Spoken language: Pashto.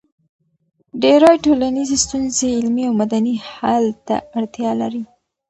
ډېری ټولنیزې ستونزې علمي او مدني حل ته اړتیا لري.